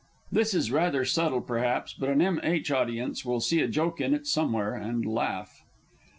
(_This is rather subtle, perhaps, but an M. H. audience will see a joke in it somewhere, and laugh.